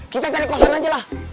kita cari kosan aja lah